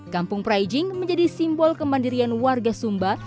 kampung praijing menjadi simbol kemandirian warga sumba